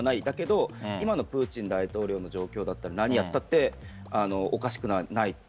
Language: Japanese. だけど今のプーチン大統領の状況だったら何やってもおかしくない。